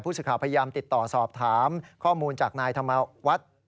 สื่อข่าวพยายามติดต่อสอบถามข้อมูลจากนายธรรมวัฒน์